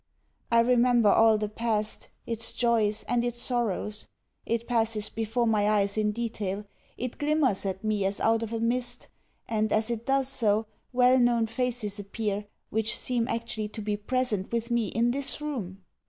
I remember all the past, its joys and its sorrows. It passes before my eyes in detail, it glimmers at me as out of a mist; and as it does so, well known faces appear, which seem actually to be present with me in this room!